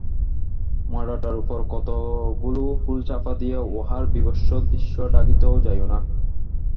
মড়াটার উপর কতকগুলো ফুল চাপা দিয়া উহার বীভৎস দৃশ্য ঢাকিতে যাইও না।